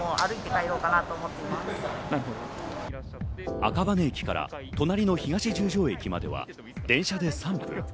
赤羽駅から隣の東十条駅までは電車で３分。